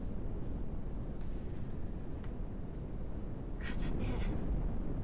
母さんね